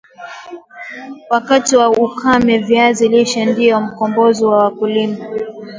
wakati wa ukame Viazi lishe ndio mkombozi wa mkulima